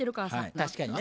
確かにね。